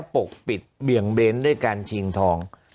ปกปิดเบี่ยงเบ้นด้วยการชิงทอง